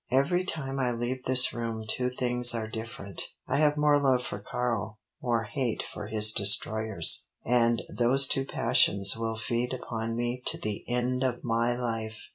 Every time I leave this room two things are different. I have more love for Karl more hate for his destroyers. And those two passions will feed upon me to the end of my life!"